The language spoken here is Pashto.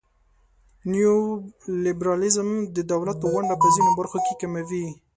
نیولیبرالیزم د دولت ونډه په ځینو برخو کې کموي.